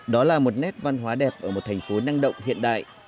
đó là một nét văn hóa đẹp ở một thành phố năng động hiện đại